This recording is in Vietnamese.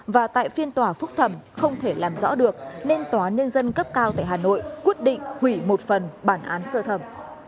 và tại phiên tòa phúc thẩm không thể làm rõ được nên tòa nhân dân cấp cao tại hà nội quyết định hủy một phần bản án sơ thẩm